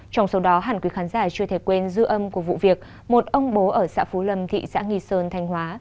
trong số đó hẳn quý khán giả chưa thể quên dư âm của vụ việc một ông bố ở xã phú lâm thị xã nghi sơn thanh hóa